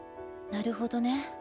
なるほどね。